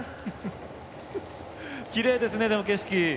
きれいですね景色。